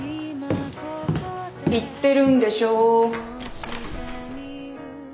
行ってるんでしょう？